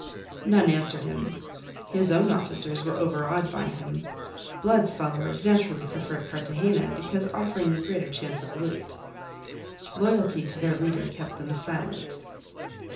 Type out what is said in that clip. None answered him. His own officers were overawed by him; Blood's followers naturally preferred Cartagena, because offering the greater chance of loot. Loyalty to their leader kept them silent.